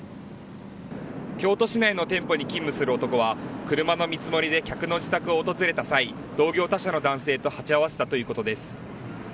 京都市内の店舗に勤務する男は車の見積もりで客の自宅を訪れた際同業他社の男性と鉢合わせたということです。